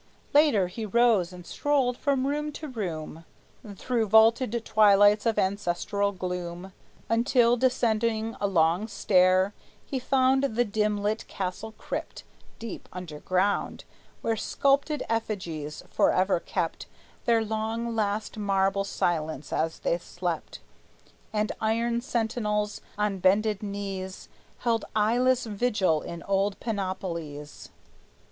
Later he rose, and strolled from room to room, Through vaulted twilights of ancestral gloom, Until, descending a long stair, he found The dim lit castle crypt, deep under ground, Where sculptured effigies forever kept Their long last marble silence as they slept, And iron sentinels, on bended knees, Held eyeless vigil in old panoplies.